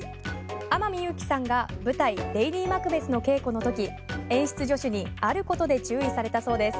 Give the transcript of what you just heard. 天海祐希さんが舞台「レイディマクベス」の稽古のとき演出助手にあることで注意されたそうです。